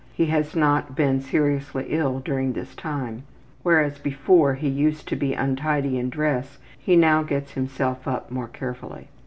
He has not been seriously ill during this time. Whereas before he used to be untidy in dress he now gets himself up more carefully.